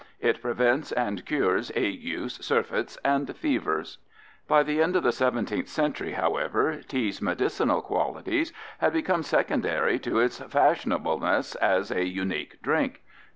It prevents and cures agues, surfeits and fevers." By the end of the 17th century, however, tea's medicinal qualities had become secondary to its fashionableness as a unique drink.